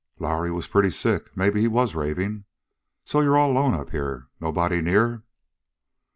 "Lowrie was pretty sick; maybe he was raving. So you're all along up here? Nobody near?"